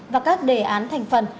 và các đề án thành phần